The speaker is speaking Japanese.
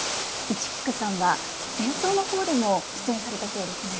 市菊さんは演奏の方でも出演されたそうですね。